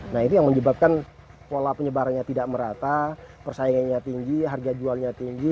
nah ini yang menyebabkan pola penyebarannya tidak merata persaingannya tinggi harga jualnya tinggi